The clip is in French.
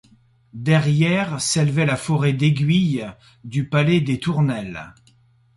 Derrière, s’élevait la forêt d’aiguilles du palais des Tournelles.